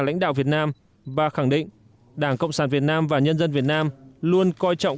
lãnh đạo việt nam và khẳng định đảng cộng sản việt nam và nhân dân việt nam luôn coi trọng